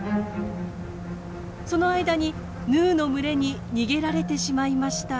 その間にヌーの群れに逃げられてしまいました。